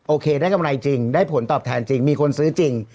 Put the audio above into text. โอเคได้กำไรจริงได้ผลตอบแทนจริงมีคนซื้อจริง